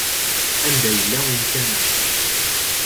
Anda yella umkan-a?